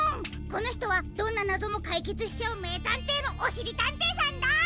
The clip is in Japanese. このひとはどんななぞもかいけつしちゃうめいたんていのおしりたんていさんだ！